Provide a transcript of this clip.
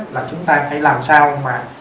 là chúng ta phải làm sao mà